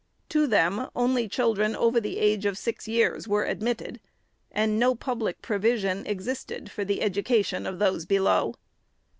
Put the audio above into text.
To them, only children over the age of six years were admitted, and no public provision existed for the education of those below.